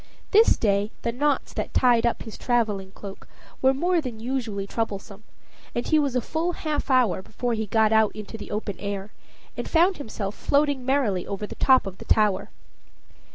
This day the knots that tied up his traveling cloak were more than usually troublesome, and he was a full half hour before he got out into the open air, and found himself floating merrily over the top of the tower.